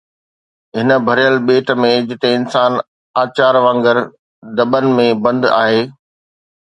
هن ڀريل ٻيٽ ۾ جتي انسان اچار وانگر دٻن ۾ بند آهي